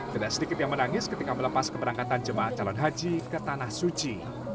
tidak sedikit yang menangis ketika melepas keberangkatan jemaah calon haji ke tanah suci